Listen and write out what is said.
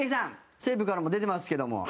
西武からも出てますけども。